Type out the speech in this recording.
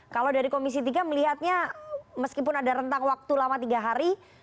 kalau dari komisi tiga melihatnya meskipun ada rentang waktu lama tiga hari